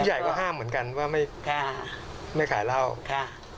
ใหญ่ก็ห้ามเหมือนกันว่าไม่แค่ไม่ขายเหล้าค่ะ